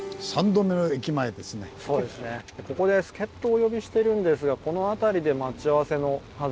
助っ人をお呼びしてるんですがこの辺りで待ち合わせのはず。